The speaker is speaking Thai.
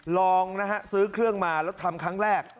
ลองนะฮะซื้อเครื่องมาแล้วทำครั้งแรก